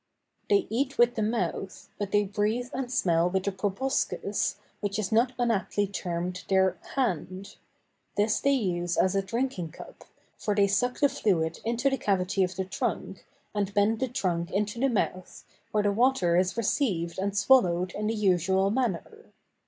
They eat with the mouth, but they breathe and smell with the proboscis which is not unaptly termed their "hand." This they use as a drinking cup, for they suck the fluid into the cavity of the trunk, and bend the trunk into the mouth, where the water is received and swallowed in the usual manner.